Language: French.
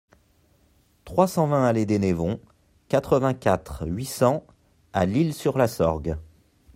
trois cent vingt allée des Névons, quatre-vingt-quatre, huit cents à L'Isle-sur-la-Sorgue